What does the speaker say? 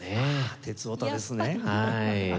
鉄オタですねえ。